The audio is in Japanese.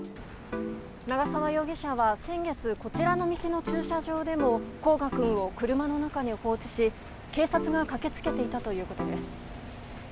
長沢容疑者は先月、こちらの店の駐車場でも煌翔君を車の中に放置し警察が駆けつけていたということです。